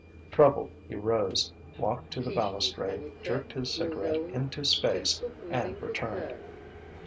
Troubled, he rose, walked to the balustrade, jerked his cigarette into space, and returned.